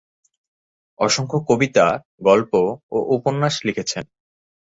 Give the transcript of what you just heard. অসংখ্য কবিতা, গল্প ও উপন্যাস লিখেছেন।